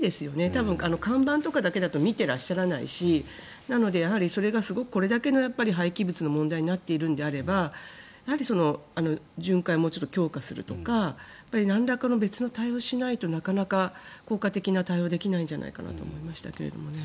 多分、看板とかだけだと見ていらっしゃらないしなので、それがすごくこれだけの廃棄物の問題になっているのであればやはり、巡回をもうちょっと強化するとかなんらかの別の対応をしないとなかなか効果的な対応はできないんじゃないかと思いましたけどね。